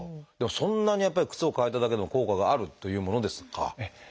でもそんなにやっぱり靴を替えただけでも効果があるというものですか？